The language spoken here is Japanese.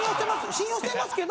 信用してますけど。